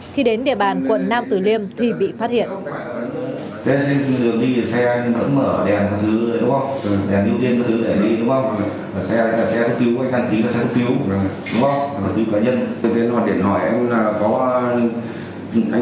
khi đến địa bàn quận nam tử liêm thì bị phát hiện